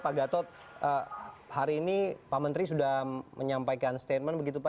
pak gatot hari ini pak menteri sudah menyampaikan statement begitu pak